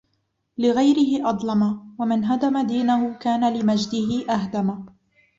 لِغَيْرِهِ أَظْلَمَ ، وَمَنْ هَدَمَ دِينَهُ كَانَ لِمَجْدِهِ أَهْدَمَ